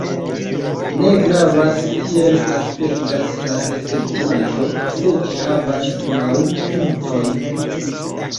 Ne gravas kiel aspektas la desegnaĵo se ĝi havas naŭ pintojn.